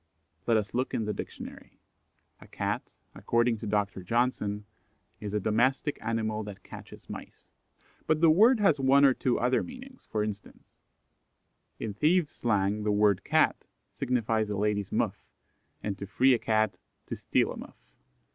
Let us look in the dictionary. A Cat, according to Dr. Johnson, is "a domestick animal that catches mice." But the word has one or two other meanings, for instance: In thieves' slang the word "Cat" signifies a lady's muff, and "to free a cat" to steal a muff.